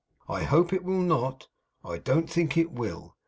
I hope it will not; I don't think it will.